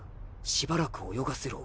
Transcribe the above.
しばらく泳がせろ。